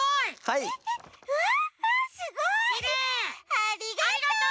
ありがとう！